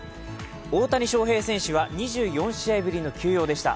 大谷翔平選手は２４試合ぶりの休養でした。